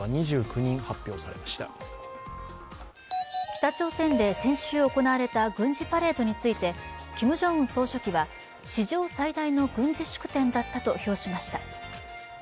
北朝鮮で先週行われた軍事パレードについて、キム・ジョンウン総書記は史上最大の軍事祝典だったと評しました。